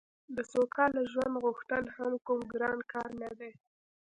د سوکاله ژوند غوښتل هم کوم ګران کار نه دی